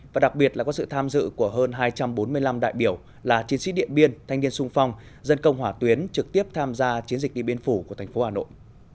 và đặc biệt là có sự tham dự của hơn hai trăm bốn mươi năm đại biểu là chiến sĩ điện biên thanh niên sung phong dân công hỏa tuyến trực tiếp tham gia chiến dịch điện biên phủ của thành phố hà nội